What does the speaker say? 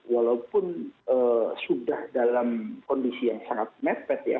walaupun sudah dalam kondisi yang sangat mepet ya